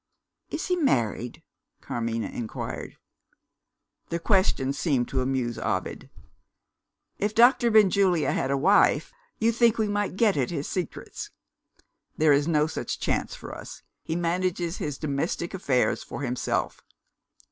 "Is he married?" Carmina inquired. The question seemed to amuse Ovid. "If Doctor Benjulia had a wife, you think we might get at his secrets? There is no such chance for us he manages his domestic affairs for himself."